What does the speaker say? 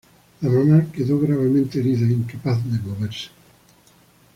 La mamá quedó gravemente herida, incapaz de moverse.